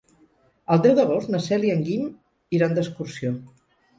El deu d'agost na Cel i en Guim iran d'excursió.